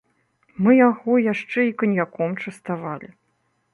Мы яго яшчэ і каньяком частавалі.